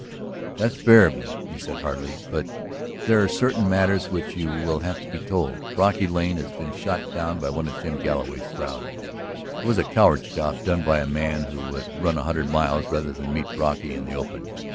"That's fair of you," he said heartily. "But there are certain matters which you will have to be told. Brocky Lane has been shot down by one of Jim Galloway's crowd. It was a coward's job done by a man who would run a hundred miles rather than meet Brocky in the open.